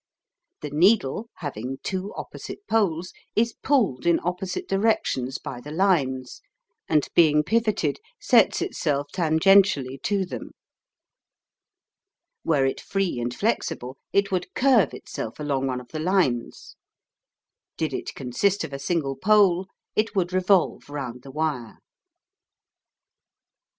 The needle, having two opposite poles, is pulled in opposite directions by the lines, and being pivoted, sets itself tangentically to them. Were it free and flexible, it would curve itself along one of the lines. Did it consist of a single pole, it would revolve round the wire.